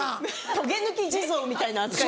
とげぬき地蔵みたいな扱い。